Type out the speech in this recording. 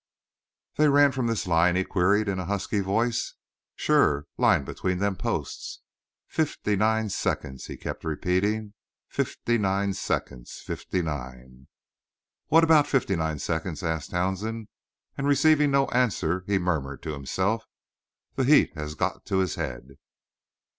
"They ran from this line?" he queried in a husky voice. "Sure. Line between them posts." "Fifty nine seconds!" he kept repeating. "Fifty nine seconds! Fifty nine!" "What about the fifty nine seconds?" asked Townsend, and receiving no answer he murmured to himself: "The heat has got to his head."